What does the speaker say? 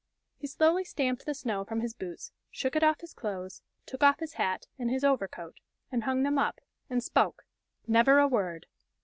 He slowly stamped the snow from his boots, shook it off his clothes, took off his hat and his overcoat, and hung them up, and spoke never a word!